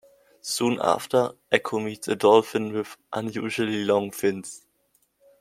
Soon after, Ecco meets a dolphin with unusually long fins.